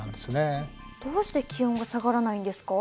どうして気温が下がらないんですか？